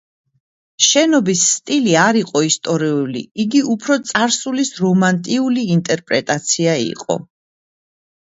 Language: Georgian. შენობის სტილი არ იყო ისტორიული, იგი უფრო წარსულის რომანტიული ინტერპრეტაცია იყო.